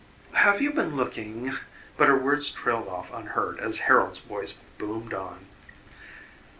"Have you been looking " But her words trailed off unheard as Harold's voice boomed on.